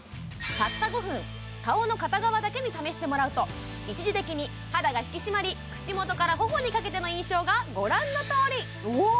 たった５分顔の片側だけに試してもらうと一時的に肌が引き締まり口元から頬にかけての印象がご覧のとおりうわ！